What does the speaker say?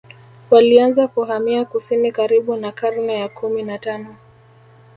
Walianza kuhamia kusini karibu na karne ya kumi na tano